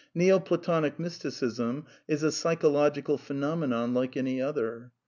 Neo Platonic j\Mysticism is a psychological phenomenon like any other.